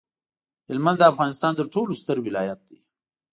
هلمند د افغانستان ترټولو ستر ولایت دی